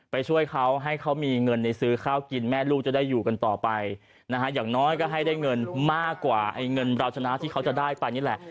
ไปช่วยเขาให้เขามีเงินสือข้าวกินแม่ลูกจะได้อยู่กันต่อไปก็ให้ได้เงินมากกว่าเงินบราวชนะที่เขาจะได้ประณีแหล่ะ